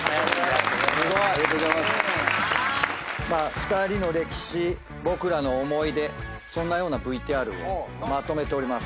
２人の歴史僕らの思い出そんなようなＶＴＲをまとめております。